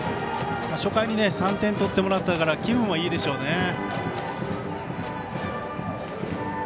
初回に３点取ってもらったから気分もいいでしょうね。